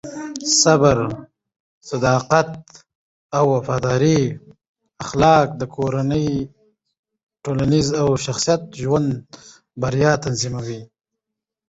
د صبر، صداقت او وفادارۍ اخلاق د کورنۍ، ټولنې او شخصي ژوند بریا تضمینوي.